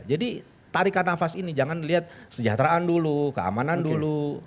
jadi tarikan nafas ini jangan dilihat sejahteraan dulu keamanan dulu